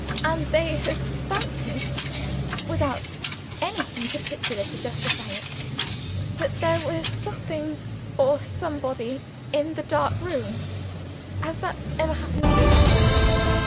And they have fancied (without anything particular to justify it) that there was something, or somebody, in the dark room. Has that ever happened to you?"